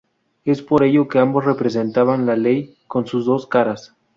Es por ello que ambos representaban la ley, con sus dos caras.